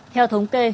theo thống kê